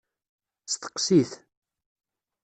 Steqsi-t.